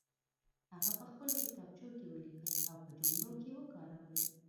هغه په خپلو کتابچو کې ولیکئ او په جملو کې وکاروئ.